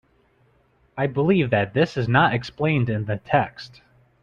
I believe that this is not explained in the text.